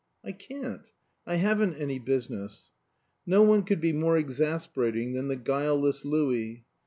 "I can't. I haven't any business." No one could be more exasperating than the guileless Louis.